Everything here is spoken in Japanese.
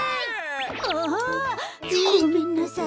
あ！ごめんなさい。